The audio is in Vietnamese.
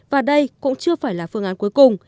và đây cũng chưa phải là phương án cuối cùng